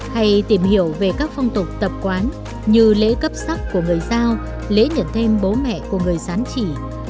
hay tìm hiểu về các phong tục tập quán như lễ cấp sắc của người giao lễ nhận thêm bố mẹ của người sán chỉ